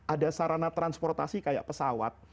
ada sarana transportasi kayak pesawat